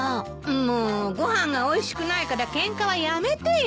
もうご飯がおいしくないからケンカはやめてよ。